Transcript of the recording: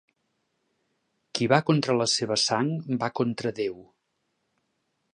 Qui va contra la seva sang, va contra Déu.